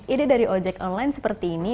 ide dari ojek online seperti ini